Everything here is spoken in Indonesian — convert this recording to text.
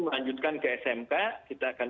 melanjutkan ke smk kita akan